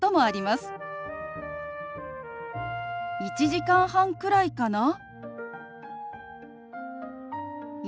「１時間半くらいかな」。